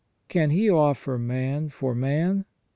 Can he offer man for man